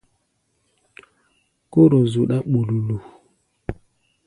Kóro zuɗá ɓululu.